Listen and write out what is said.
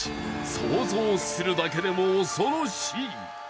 想像するだけでも恐ろしい。